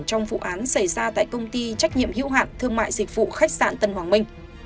trong vụ án xảy ra tại công ty trách nhiệm hữu hạn thương mại dịch vụ khách sạn tân hoàng minh